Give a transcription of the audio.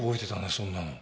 そんなの。